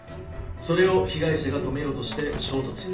それを被害者が止めようとして衝突。